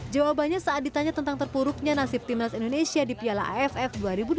jawabannya saat ditanya tentang terpuruknya nasib timnas indonesia di piala aff dua ribu dua puluh